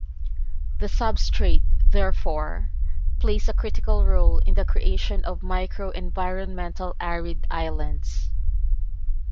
The substrate, therefore, plays a critical role in the creation of micro-environmental arid islands.